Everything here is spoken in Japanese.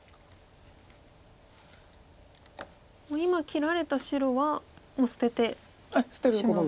今切られた白はもう捨ててしまう。